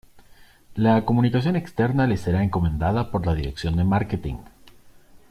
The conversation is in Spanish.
La comunicación externa le será encomendada por la dirección de marketing.